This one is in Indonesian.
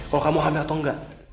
kalau kamu hamil atau enggak